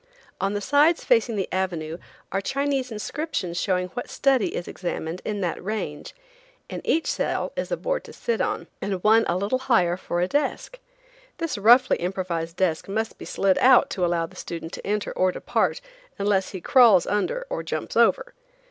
On the sides facing the avenue are Chinese inscriptions showing what study is examined in that range. In each cell is a board to sit on, and one a little higher for a desk. This roughly improvised desk must be slid out to allow the student to enter or depart unless he crawls under or jumps over.